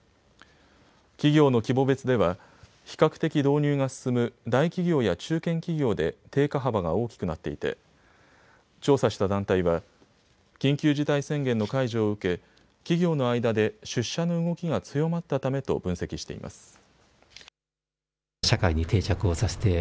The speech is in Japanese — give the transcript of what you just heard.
企業の規模別では比較的導入が進む大企業や中堅企業で低下幅が大きくなっていて調査した団体は緊急事態宣言の解除を受け企業の間で出社の動きが強まったためと分析しています。